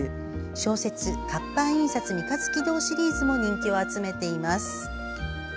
小説「活版印刷三日月堂」シリーズも人気を集めています。